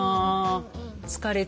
「疲れてる？」